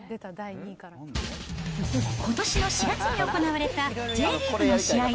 ことしの４月に行われたＪリーグの試合。